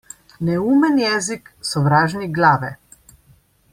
Neumen jezik - sovražnik glave.